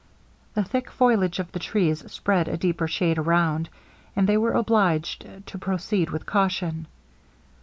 The thick foliage of the trees spread a deeper shade around; and they were obliged to proceed with caution.